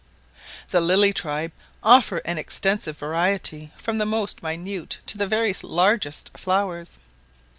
The lily tribe offer an extensive variety from the most minute to the very largest flowers.